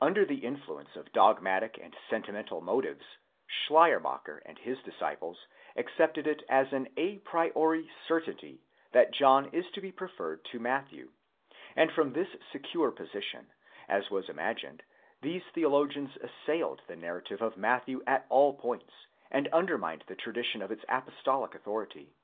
Under the influence of dogmatic and sentimental motives, Schleiermacher and his disciples accepted itas an ὦ przorz certainty that John is to be preferred to Matthew; and from this secure position, as was: imagined, these theologians assailed the narrative of Matthew at all points, and undermined the tradition INTRODUCTION. ΧΙ of its apostolic authority.